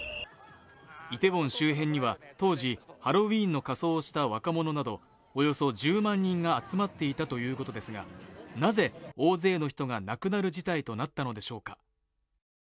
イテウォン周辺には当時、ハロウィーンの仮装をした若者などおよそ１０万人が集まっていたということですが、なぜ大勢の人が亡くなる事態となったのでしょうか。